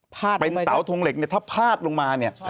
เป็นเสาทงเหล็กเนี่ยถ้าพาดลงมาเนี่ย